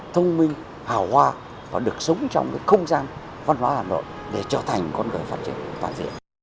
thông minh hào hoa và được sống trong cái không gian văn hóa hà nội để trở thành con người phát triển toàn diện